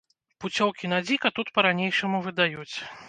Пуцёўкі на дзіка тут па ранейшаму выдаюць.